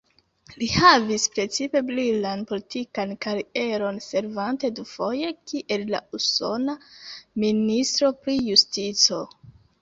Li havis precipe brilan politikan karieron, servante dufoje kiel la usona ministro pri justico.